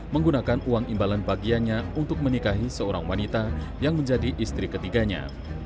menggunakan uang imbalan bagiannya untuk menikahi seorang wanita yang menjadi istri ketiganya